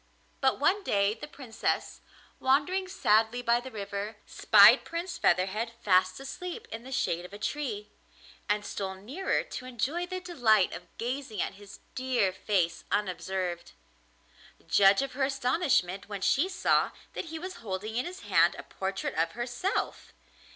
But one day the Princess, wandering sadly by the river, spied Prince Featherhead fast asleep in the shade of a tree, and stole nearer to enjoy the delight of gazing at his dear face unobserved. Judge of her astonishment when she saw that he was holding in his hand a portrait of herself!